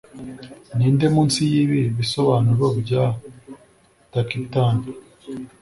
ninde, munsi yibi bisobanuro bya taciturn